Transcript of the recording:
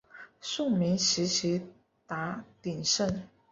宋明时期达鼎盛。